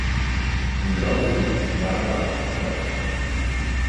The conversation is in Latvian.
Draudzība ir dārgāka par zeltu.